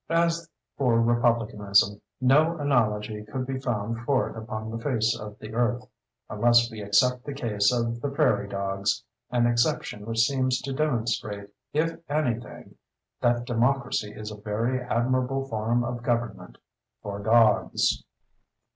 As for Republicanism, no analogy could be found for it upon the face of the earth—unless we except the case of the "prairie dogs," an exception which seems to demonstrate, if anything, that democracy is a very admirable form of government—for dogs.